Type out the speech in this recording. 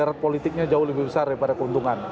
erat politiknya jauh lebih besar daripada keuntungan